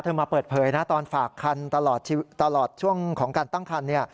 มาเปิดเผยนะตอนฝากคันตลอดช่วงของการตั้งคันเนี่ย